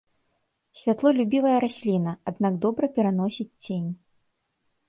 Святлолюбівая расліна, аднак добра пераносіць цень.